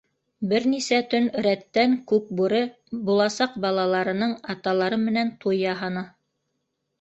Бер нисә төн рәттән Күкбүре буласаҡ балаларының аталары менән туй яһаны.